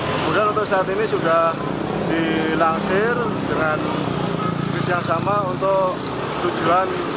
kemudian untuk saat ini sudah dilangsir dengan bis yang sama untuk tujuan